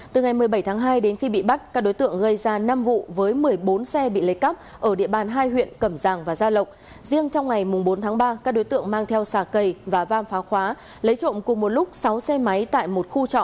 từ ngày một mươi bảy tháng hai đến khi bị bắt các đối tượng gây ra năm vụ với một mươi bốn xe bị lấy cắp ở địa bàn hai huyện cầm giàng và gia lộc